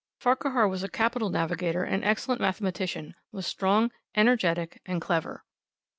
Farquhar was a capital navigator and excellent mathematician; was strong, energetic, and clever.